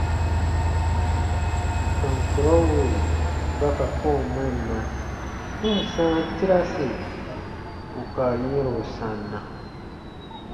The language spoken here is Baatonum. Tɔn kurɔ wì ba ka kɔ̃ɔ mɛnna, n ǹ sãa tiraasi ù ka yɛ̃ro sanna.